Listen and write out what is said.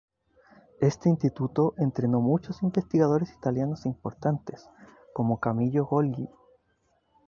Este instituto entrenó muchos investigadores italianos importantes, como Camillo Golgi.